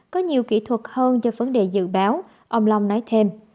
có nhiều kỹ thuật hơn cho vấn đề dự báo ông long nói thêm